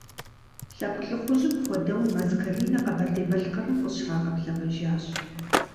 Лъэпкъ лӏыхъужьым хуэдэу Мэз Каринэ Къэбэрдей-Балъкъэрым къыщрагъэблэгъэжащ.